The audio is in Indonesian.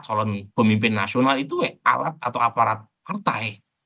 calon pemimpin nasional itu alat atau aparat partai